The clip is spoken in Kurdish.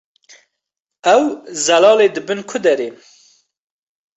Ew, Zelalê dibin ku derê?